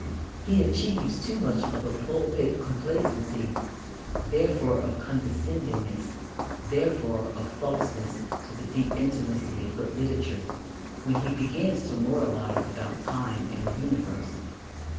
He achieves too much of a pulpit complacency therefore of condescendingness therefore of falseness to the deep intimacy of good literature when he begins to moralize about time and the universe.